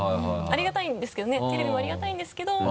ありがたいんですけどねテレビもありがたいんですけど。